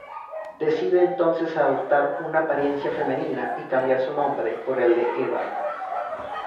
Decide entonces adoptar una apariencia femenina y cambiar su nombre por el de Eva.